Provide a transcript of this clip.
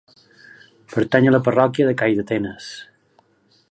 Pertany a la parròquia de Calldetenes.